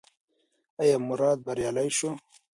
ایا مراد بریالی شو؟